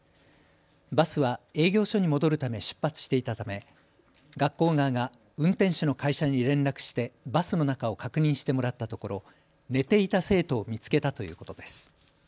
バスは営業所に戻るため出発していたため学校側が運転手の会社に連絡してバスの中を確認してもらったところ、寝ていた生徒を見つけたということです。